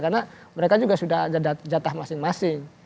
karena mereka juga sudah ada jatah masing masing